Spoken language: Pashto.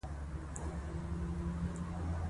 نن دښوونځي دتدریس وروستې ورځ وه